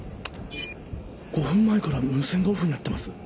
５分前から無線がオフになってます。